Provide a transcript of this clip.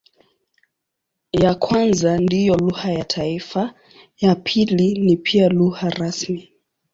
Ya kwanza ndiyo lugha ya taifa, ya pili ni pia lugha rasmi.